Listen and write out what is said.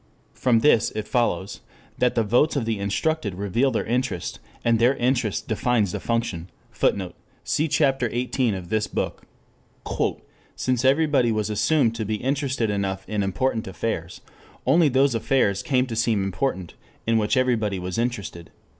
From this it follows that the votes of the instructed reveal their interest, and their interest defines the function. [Footnote: Cf. Ch. XVIII of this book. "Since everybody was assumed to be interested enough in important affairs, only those affairs came to seem important in which everybody was interested."